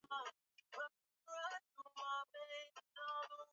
ee ambao ambao ndio walitakiwa